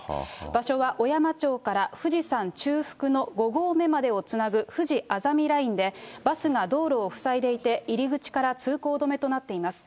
場所は小山町から富士山中腹の５合目までをつなぐふじあざみラインで、バスが道路を塞いでいて、入り口から通行止めとなっています。